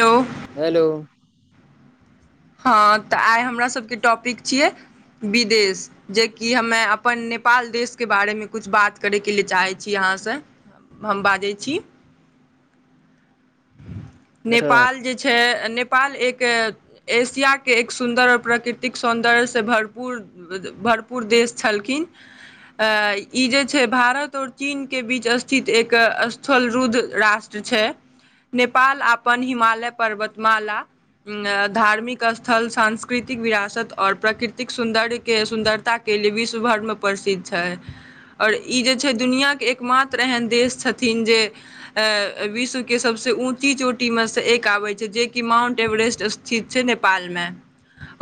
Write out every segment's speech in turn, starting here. Hello. Hello. हँ त आइ हमरा सभके टॉपिक छियै, विदेश जेकि हम अपन नेपाल देशके बारेमे किछु बात करयके लिए चाहै, अहांसे, हम बाजै छी। अच्छा नेपाल जे छै, नेपाल एक के एशियाक के एक सुन्दर और प्राकृतिक सौन्दर्यसँ भरपू भरपूर देश छलखिन, ई जे छै भारत और चीन के बीच स्थित एक स्थलरुद्ध राष्ट्र छै, नेपाल अपन हिमालय पर्वतमाला धार्मिक स्थल, सांस्कृतिक विरासत और प्राकृतिक सौन्दर्यके सुन्दरताके लिए विश्व भरिमे प्रसिद्ध छै, और ई जे छै दुनिआके एकमात्र एहन देश छथिन जे विश्वके सभसँ ऊँची चोटीमे सँ एक आबै छै जेकि माउन्ट एवरेस्ट स्थित छै नेपाल मे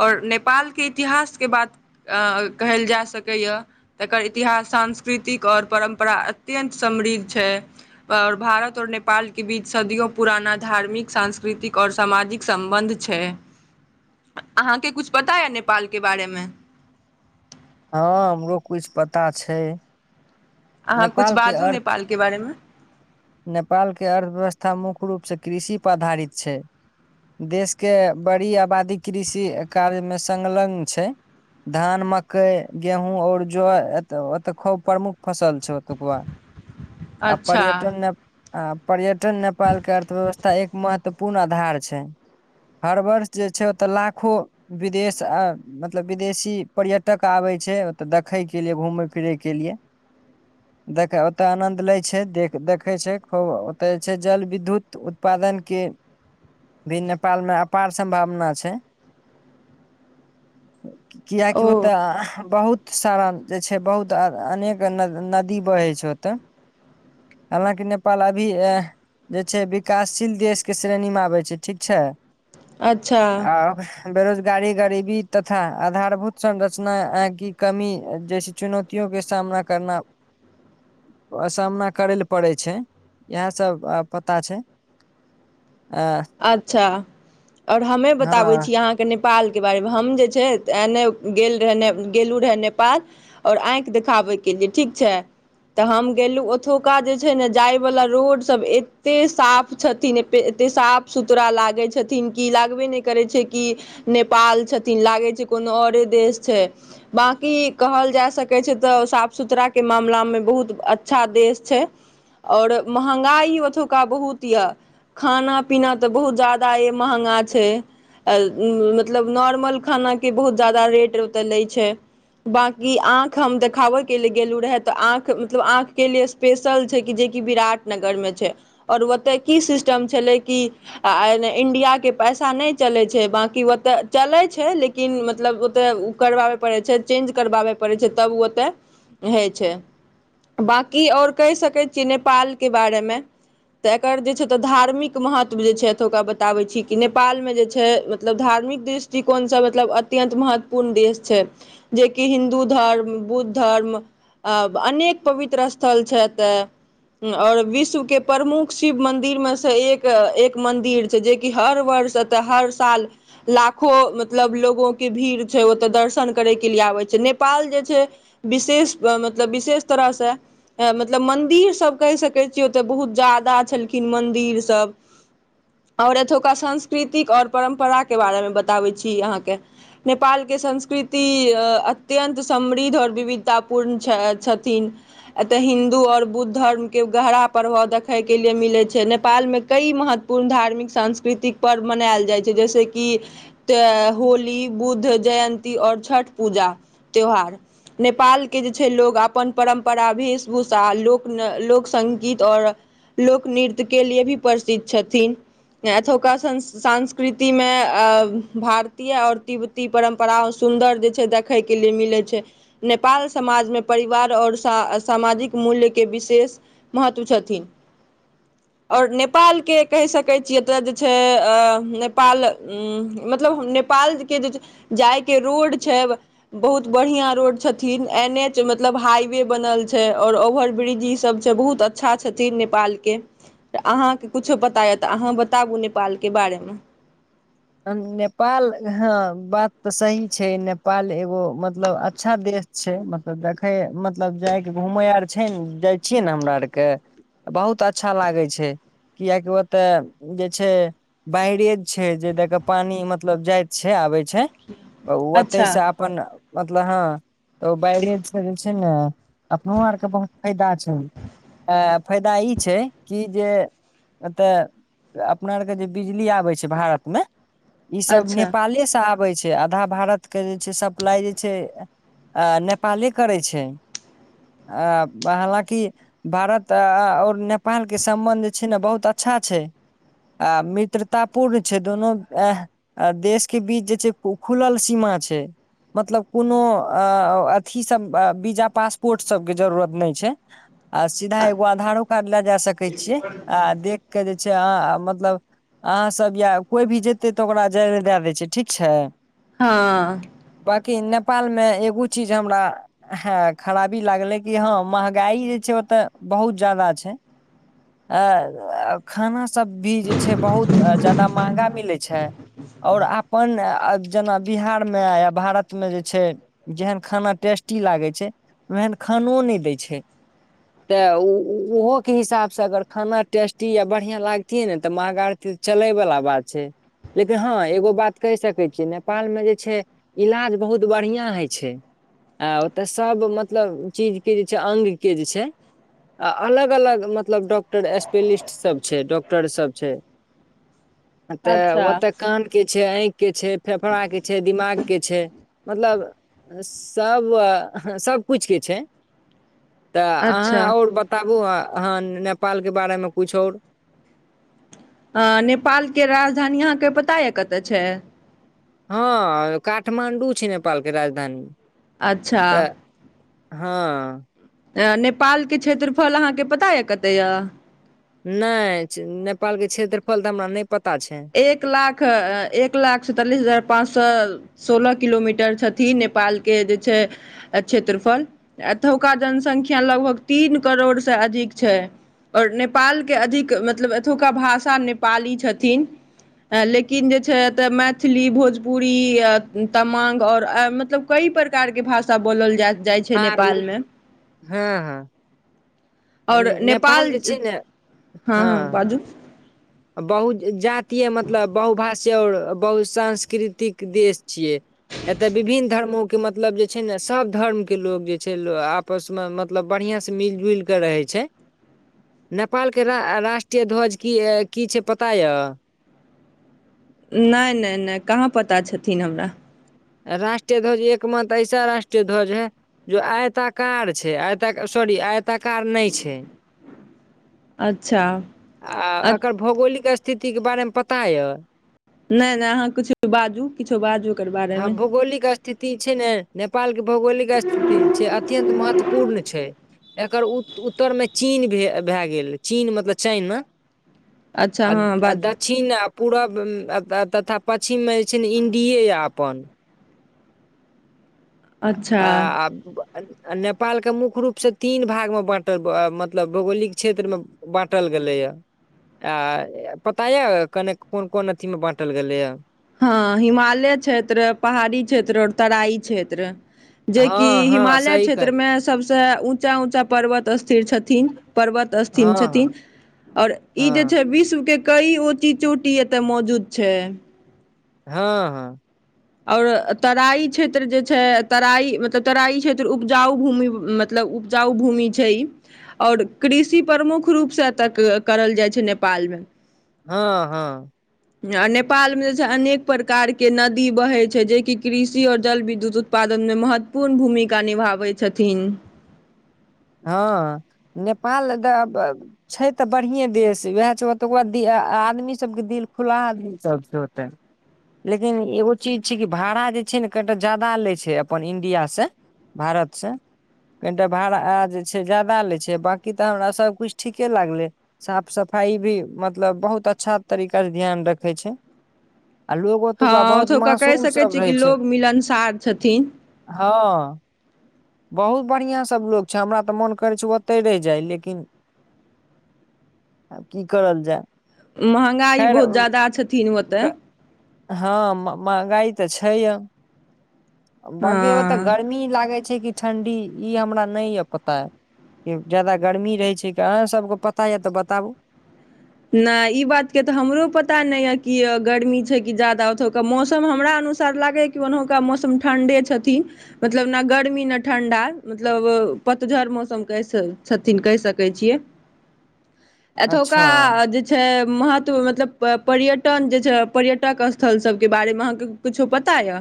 और नेपाल के इतिहास के बात कहल जा सकैये तकर इतिहास सांस्कृतिक और परम्परा अत्यन्त समृद्ध छै और भारत और नेपाल के बीच सदियों पुराना धार्मिक सांस्कृतिक और सामाजिक सम्बन्ध छै। अहांके किछु पता अछि नेपाल के बारे मे? हँ हमरो कुछ पता छै। अहाँ कुछ नेपाल के बाजू अर्थ, नेपालके बारेमे नेपालके अर्थव्यवस्था मुख्य मुख्य रूप से कृषि पर आधारित छै, देश के बड़ी आबादी कृषि कार्य मे संलग्न छै, धान मकई गेहूँ और ज ओत के प्रमुख फसल छौ ओतूकबा। आ अच्छा पर्यटन ने आ पर्यट नेपाल के अर्थव्यवस्था एक मात तऽ पूर्ण आधार छै हर वर्ष जे छै ओतऽ लाखो विदेश मतलब विदेशी पर्यटक आबे छै ओतऽ देखे के लिए घूमे फिरे के लिए। देख ओतय आनन्द लै छै देख देखै छै खूब ओतय जे छै जल विद्युत उत्पादन के भी नेपालमे अपार सम्भावना छै। किएकि ओ तऽ बहुत सारण जे छै बहुत अनेक। गंगा नदी बहे छै ओतऽ हलाकि नेपाल अभी जे छै विकासशील देश के श्रेणी मे आबै छै ठीक छै। अच्छा आ बेरोजगारी गरीबी तथा आधारभूत संरचना की कमी जैसे चुनौतियो के सामना। करना सामना करै लए पड़ै छै इएह सब पता छै। अ अच्छा आओर हमे बताबै हँ छी अहाँके नै नेपालके बारेमे हम जे छै गेलहु रह नेपाल आओर आँखि देखाबैके लिए ठीक छै तऽ हम गेलहु ओतुका जे छै ने जाइवला रोड सब एते साफ छथिन एते साफ। सुतरा लागै छथिन कि लागबे नै करै छै कि नेपाल छथिन लागै छै कोनो औरे देश छै बाँकी कहल जा सकै छै तऽ साफ सुथराके मामलामे बहुत अच्छा देश छै और मंहगाई ओथोका बहुत यए खाना पीना तऽ बहुत ज्यादा ए मंहगा छै ए अ मतलब नॉर्मल खानाके बहुत ज्यादा रेट ओतऽ लै छै बाँकी आँख हम देखाबैके लेल गेलु रहै तऽ आँख मतलब आँख के लिए स्पेशल छै कि जेकि विराट नगरमे छै और ओतय की सिस्टम छलै की आ न इण्डियाके पैसा नै चलै छै बाँकी ओतऽ चलै छै लेकिन मतलब ओतऽ उ करबाबै पड़ै छै चेन्ज करबाबै पड़ै छै तब उ ओता हय छै बाँकी और कह सकै छियै नेपालके बारे मे तऽ एकर जे छै धार्मिक महत्व जे छै एतोका बताबै छी कि नेपाल मे जे छै मतलब धार्मिक दृष्टिकोण से मतलब अत्यंत महत्वपूर्ण देश छै जेकि हिन्दू धर्म बुद्ध धर्म अ अनेक पवित्र स्थल छै एता उम्म और विश्व के प्रमुख शिव मदिर मे से एक के एक मन्दिर छै जेकि हर वर्ष एतऽ हर साल लाखो मतलब लोगोे भीड़ छै ओतऽ दर्शन करैके लिए आबै छै, नेपाल जे छै विशेष मतलब विशेष तरह से मतलब मन्दिर सब कह सकै छियै ओतऽ बहुत ज्यादा छलखिन मन्दिर सब और एतोका संस्कृतिक और परम्परा के बारेमे बताबै छी अहाँके नेपालके संस्कृति अ अत्यन्त समृद्ध और विविधता पूर्ण छथिन एतय हिन्दू और बुद्ध धर्मके गहरा प्रभाव देखैके लिए मिलै छै नेपाल मे कई महत्वपूर्ण धार्मिक सांस्कृतिक पर्व मनायल जाइ छै जैसे कि ए होली, बुद्ध जयन्ती और छठ पूजा त्यौहार नेपाल के जे छै लोग अपन परम्परा वेश भूषा लोक न लोक संगीत और लोकनृत्य के लिए भी प्रसिद्ध छथिन एतोका संस्कृतिमे अ भारतीय और तिब्बती परम्परा सुन्दर जे छै देखै के लिए मिलै छै नेपाल समाजमे परिवार और सामाजिक मूल्यके विशेष महत्व छथि और ने नेपाल के कह सकै छियै एतऽ जे छै ए ए नेपाल उम्म मतलब नेपालके जे जाइ के रोड छै बहुत बढ़िया रोड छथिन एन एच मतलब हाइवे बनल छै और ओवर ब्रिज ई सब छै बहुत अच्छा छथिन नेपालके तऽ अहाँके किछो पता यऽ तऽ अहाँ बताबु नेपाल के बारे मे अ नेपाल हां बात तऽ सही छै नेपाल एगो मतलब अच्छा देश छै मतलब देखै मतलब जायके घूमै आर छै नै जाइ छियै ने हमरा आरके बहुत अच्छा लागै छै कियाकि ओतय जे छै बायरेज छै जे देख के पानी मतलब जाएत छै आबे छै अ उ ओते अच्छा से अपन मतलब हां तऽ बायरेज से जे छै नै अपनो आरके बहुत फायदा छै ए फायदा ई छै कि जे एतऽ अपना आर के जे बिजली आबै छै भारत मे ई सब अच्छा नेपाले से आबे छै। आधा भारतके जे छै सप्लाइ जे छै अ नेपाले करै छै अ हालांकि भारत आ अ और नेपालके सम्बन्ध जे छै ने बहुत अच्छा छै आ मित्रता पूर्ण छै दोनो ऐह अ देश के बीच जे छै खुलल सीमा छै मतलब कोनो अ अ अथी सब वीजा पासपोर्ट सबके जरूरत नै छै। आ सीधा एगो आधारो कार्ड ले जाय सकै छीये आ देख के जे छै आ मतलब अहाँ सब या कोइ भी जे ते तऽ ओकरा जाए लै दए दै छै ठीक छै। हां। नेपाल मे एगो चीज हमरा ह खराबी लागले कि हां महंगाई जे छै ओते बहुत ज्यादा छै ए खाना स सब भी जे छै बहुत अ ज्यादा महंगा मिले छै और आपन अ जेना बिहार में या भारत में जे छै जेहेन खाना टेस्टी लागे छै ओहेन खानो नै दय छै तऽ उ उ उहो के हिसाब से अगर खाना टेस्टी या बढ़िया लागतिए ने तऽ मंहगा रहथिए त चले बला बात छै। लेकिन हां एगो बात कह सकै छियै नेपालमे जे छै इलाज बहुत बढ़िया हय छै आ ओतय सब मतलब चीजके जे छै अंग के जे छै आ अलग अलग मतलब डॉक्टर स्पेलिस्ट सब छै, डॉक्टर सब छै‌। तऽ अच्छा ओते कान के छै, आंई के छै, फेफड़ा के छै, दिमाग के छै। मतलब सब सब किछ के छै। तऽ अहाँ अच्छा और बताबू अ अहाँ नेपालके बारेमे कुछ और अं नेपालके राजधानी अहाँके पता यै कतय छै। हॅं काठमाण्डू छै नेपालके राजधानी। अच्छा हां। ए नेपालके क्षेत्रफल अहाँके पता यै कते य। नै छे नेपाल के क्षेत्रफल तऽ हमरा नै एक लाख एक लाख सैंतालिस हजार पाँच सौ सोलह किलोमीटर छथि नेपालके जे छै क्षेत्रफल एतोका जनसंख्या लगभग तीन करोड़ से अधिक छै और नेपालके अधिक मतलब एतोका भाषा नेपाली छथिन। लेकिन जे छै एतऽ मैथिली, भोजपुरी, तमांग आओर मतलब कई प्रकारके भाषा बोलल जाइत जाइ छै आरू नेपालमे। हँ हँ आओर नेपाल नेपालजे छै ने हँ हँ बाजू बहु जाति तीय मतलब बहुभाष छै आओर बहुत सांस्कृतिक देश छियै एतय विभिन्न धर्मो के मतलब जे छै ने सब धर्मके लोग जे छै लो आपसमे मतलब बढ़िआं से मिल जुल कऽ रहै छै नेपालके रा राष्ट्रीय ध्वज की ए की छै पता यऽ? नहि नहि नहि कहाँ पता छथिन हमरा। राष्ट्रीय ध्वज एक मात्र ऐसा राष्ट्रीय ध्वज है जो आयताकार छै आयताक सॉरी आयत ताकात नहि छै अच्छा आ अ अकर भौगोलिक स्थ स्थितिके बारेमे पता यऽ नहि नहि अहाँ कुछो बाजू किछो बाजू ओकर आ बारेमे भौगोलिक स्थित ति छै ने नेपाल के भौगोलिक स्थिति छै अत्यन्त महत्वपूर्ण छै। एकर उत उत्तरमे चीन भे भए गेल चीन मतलब चाईना अच्छा आ हँ द बाजू दक्षिण आ पूरब अ त तथा पछिममे जे छै ने इण्डिये यै अप अपनन आ अच्छा आब आ नेपाल के मुख्य रूप से तीन भाग मे बाटल मतलब भौगोलिक क्षेत्र मे बाटल गेले या आ पता य कने कोन कोन अथी मे बाटल गेलै या हँ हिमालय क्षेत्र पहाड़ी क्षेत्र आऔर तराई क्षेत्र जेकि हँ हँ हिमालय सही कहल क्षेत्रमे सब च ऊँचा ऊँचा पर्वत स्थिर छथिन। पर्वत स्थिन हँ छथिन हँ और ई जे हँ छै विश्व के कई ऊॅंची चोटी एतऽ मौजूद छै। हँ हँ आओर तराई क्षेत्र जे छै तराई मतलब तराई क्षेत्र उपजाउ भूमि मतलब उपजाउ भूमि छै ई आओर कृषि प्रमुख रूपसँ एतय करल जाइ छै नेपालमे हँ हँ आ नेपालमे जे छै अनेक प्रकारके नदी बहै छै जेकि कृषि आऔर जल विद्युत उत्पादनमे महत्वपूर्ण भूमिका निभाबै छथिन हँ नेपाल छै तऽ बढ़िएँ देश उएह छै ओत बाद आदमीसभके दिल खुला आदमीसभ छै ओतै लेकिन एगो चीज छै कि भाड़ा जे छै ने कनिटा जा्यादा लैत छै अपन इं्डियासँ भारतसँ कनिटा भाड़ा जे छै जादा लै छै बाँकी तऽ हमरा सभकिछु ठीके लागलै साफ सफाइ भी मतलब बहुत अच्छा तरीकासँ ध्यान रखै छै आ लोग हँ ओतुका बहुत ओतुका कहि मासूम सकै सब छियै कि रहै छै लोकोग मिलनसार छथिन हँ बहुत बढ़िआं सभ लोक छै हमरा तऽ मोन करै छै ओतहि रहि जाय लेकिन आब की करल जाय महँगाई बहुत खैर ज्याददा छथिन कन मत क- हँ महगाइ तऽ छै य बगे ओ तऽ हँ गर्मी लागै छै कि ठण्डी ई हमरा नहि यऽ पता य जाादा गर्मी रहै छै कि अहाँ सबके पता यऽ तऽ बताबू नहि ई बातके तऽ हमरो पता नहि यए कि गर्मी छै कि जाादा ओतुका मौसम हमरा अनुसार लागैए कि ओनहुका मौसम ठण्ढे छथिन मतलब ने गर्मी ने ठण्ढा मतलब पतझड़ मौसम कैस छथिन कहि सकै छियै एतुका अच्छा जे छै महत्व मतलब पर्यटन के छै पर्यटक स्थल सभ के बारे में आहा के कुछो पता या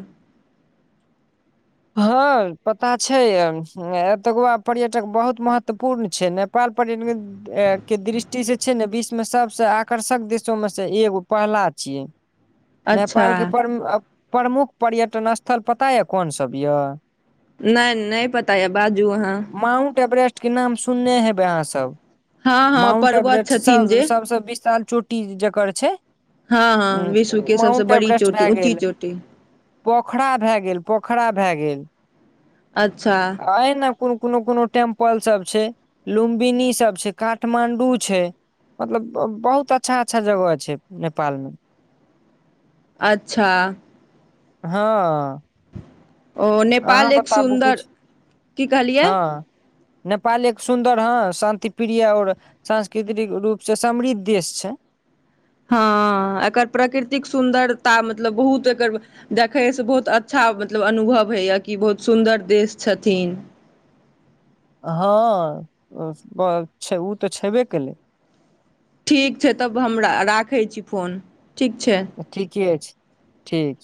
हँ पता छै एतको आब पर्यटक बहुत महत्वपूर्ण छै नेपाल पर्यटक के दृष्टिसँ छै ने विश्वमे सभसँ आकर्षक देशोमे सँ एगो पहला छियै अच्छा नेपाल के पर प्रमुख पर्यटन स्थल पता है कोनस सभ य नहि नहि पता य बाजू अहाँ माउंट एवरेस्ट के नाम सुनने हेबै अहाँ सब हँ हँ माउंट पर्वत एवरेस्ट छथिन सब जे सबसँ विशाल चोटी जकर छै हँ हँ ह विश्वके सबसँ माउंट बड़ी एवरेस्ट चोटी भए ऊँची गेल चोटी पोखरा भए गेल पोख भए गेल अच्छा ए ने कोनो कोनो टेम्पल सभ छै लुंबिनी ई सब छै काठमांडू छै मतलब बहुत अच्छा जगह छै नेपाल में अच्छा हँ। ओ अहाँ नेपाल एक बताबू सुन्दर, कुछ की कहलियै हँ नेपाल एक सुन्दर हँ शान्तिप्रिय आओर सांस्कृतिक रूपसँ समृद्ध देश छै। हँ एकर प्रकृतिक सुन्दरता मतलब बहुत एकर देखयसँ बहुत अच्छा मतलब अनुभव होइए कि बहुत सुन्दर देश छथिन। हँ ओ तऽ छबे केलै ठीक छै तब हम र राखै छी फोन। ठीक छै ठीके छै ठीक